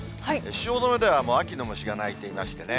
汐留では、もう秋の虫が鳴いていましてね。